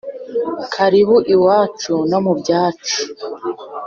karibu iwacu no mu byacu